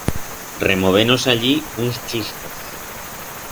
Removenos allí uns chuscos.